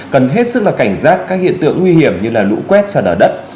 cần hết sức là cảnh giác các hiện tượng nguy hiểm như là lũ quét xa đỏ đất